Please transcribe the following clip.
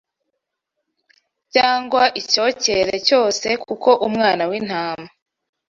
cyangwa icyocyere cyose kuko Umwana w’Intama